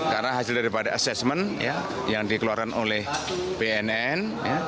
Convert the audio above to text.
karena hasil daripada asesmen yang dikeluarkan oleh bnn